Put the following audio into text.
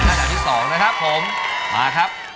เรามาารักษานต่อไปแต่ละที่๒นะครับ